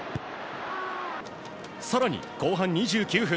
更に、後半２９分。